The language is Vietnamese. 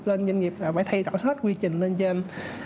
lên doanh nghiệp là phải thay đổi hết quy trình lên trên